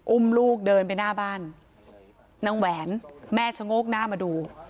อุ้มลูกเดินไปหน้าบ้านนางแหวนแม่ชะโงกหน้ามาดู